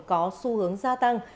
có xu hướng gia tăng